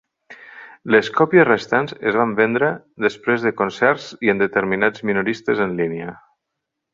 Les còpies restants es van vendre després en concerts i en determinats minoristes en línia.